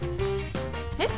えっ？